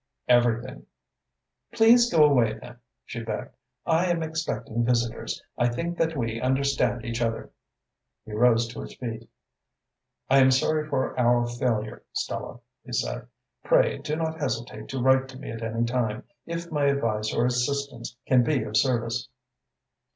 "Everything." "Please go away, then," she begged. "I am expecting visitors. I think that we understand each other." He rose to his feet. "I am sorry for our failure, Stella," he said. "Pray do not hesitate to write to me at any time if my advice or assistance can be of service."